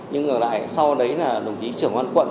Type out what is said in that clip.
nhưng ngờ lại sau đấy là đồng chí trưởng an quận